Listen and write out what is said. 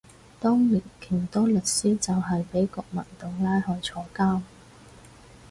當年勁多律師就係畀國民黨拉去坐監